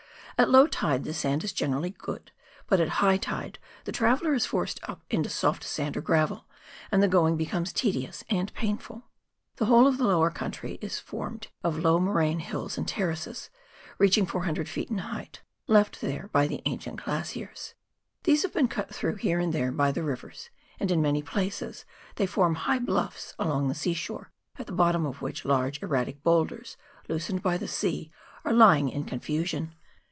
At low tide the sand is generally good, but at high tide the traveller is forced up into soft sand or gravel, and the going becomes tedious and painful. The whole of the lower country is formed of low morainic hills and terraces, reaching 400 ft. in height, left there by the ancient glaciers. These have been cut through here and there by the rivers, and, in many places, they form high bluffs along the sea shore, at the bottom of which large erratic boulders, loosened by the sea, are lying in confusion.